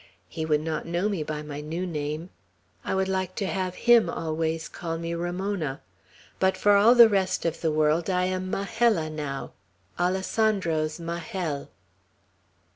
"He would not know me by my new name. I would like to have him always call me Ramona. But for all the rest of the world I am Majella, now, Alessandro's Majel!"